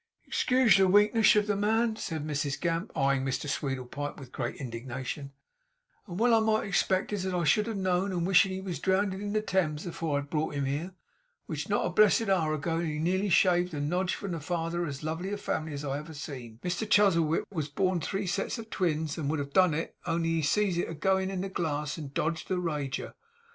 'Excuge the weakness of the man,' said Mrs Gamp, eyeing Mr Sweedlepipe with great indignation; 'and well I might expect it, as I should have know'd, and wishin' he was drownded in the Thames afore I had brought him here, which not a blessed hour ago he nearly shaved the noge off from the father of as lovely a family as ever, Mr Chuzzlewit, was born three sets of twins, and would have done it, only he see it a goin' in the glass, and dodged the rager.